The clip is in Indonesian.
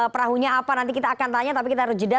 perahunya apa nanti kita akan tanya tapi kita harus jeda